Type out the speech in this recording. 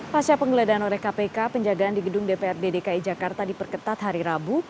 pasca penggeledahan oleh kpk penjagaan di gedung dprd dki jakarta diperketat hari rabu